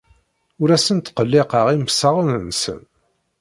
Ur asen-ttqelliqeɣ imsaɣen-nsen.